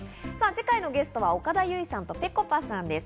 次回のゲストは岡田結実さんとぺこぱさんです。